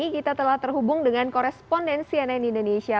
kita telah terhubung dengan korespondensi ann indonesia